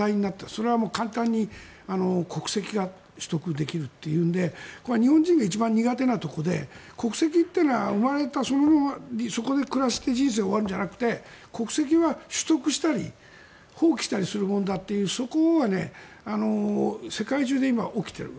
それは、簡単に国籍が取得できるというので日本人が一番苦手なところで国籍というのは生まれてそこで暮らして人生が終わるんじゃなくて国籍は取得したり放棄したりするものだというそこは世界中で今起きている。